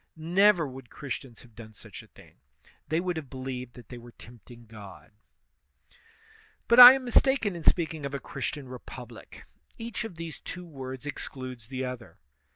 Never would Christians have done such a thing; they would have believed that they were tempting God. But I am mistaken in speaking of a Christian repub lie; each of these two words excludes the other.